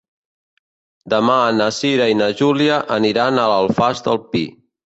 Demà na Cira i na Júlia aniran a l'Alfàs del Pi.